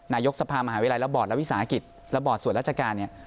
นายกกรสภามหาวิรัยระบอดระวิศาภิกษ์ระบอดส่วนราชการ